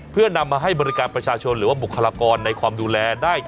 เพื่อนำมาให้บริการประชาชนหรือว่าบุคลากรในความดูแลได้